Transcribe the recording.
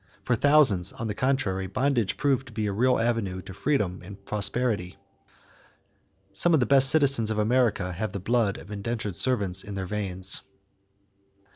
For thousands, on the contrary, bondage proved to be a real avenue to freedom and prosperity. Some of the best citizens of America have the blood of indentured servants in their veins.